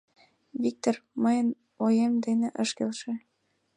Виктор мыйын оем дене ыш келше.